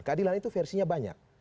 keadilan itu versinya banyak